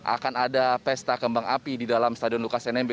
akan ada pesta kembang api di dalam stadion lukas nmb